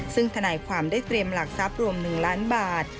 ซึ่งธนายความได้เตรียมหลักทรัพย์รวม๑ล้านบาท